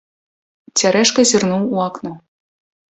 Цярэшка зірнуў у акно.